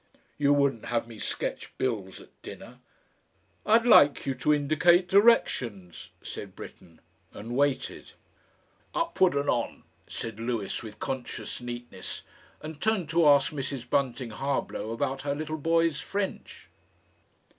"You wouldn't have me sketch bills at dinner?" "I'd like you to indicate directions," said Britten, and waited. "Upward and On," said Lewis with conscious neatness, and turned to ask Mrs. Bunting Harblow about her little boy's French.